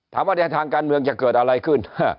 ถามว่าเนี่ยทางการเมืองจะเกิดอะไรขึ้น